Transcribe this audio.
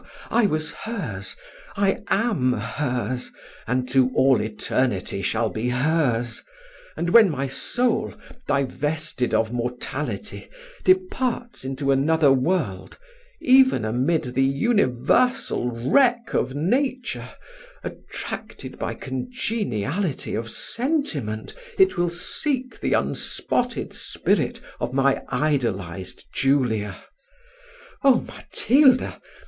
I was hers, I am hers, and to all eternity shall be hers: and when my soul, divested of mortality, departs into another world, even amid the universal wreck of nature, attracted by congeniality of sentiment, it will seek the unspotted spirit of my idolised Julia. Oh, Matilda!